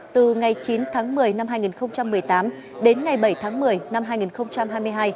từ ngày chín tháng một mươi năm hai nghìn một mươi tám đến ngày bảy tháng một mươi năm hai nghìn hai mươi hai